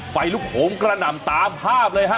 ไฟลุกโหมกระหน่ำตามภาพเลยฮะ